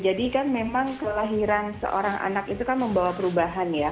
jadi kan memang kelahiran seorang anak itu kan membawa perubahan ya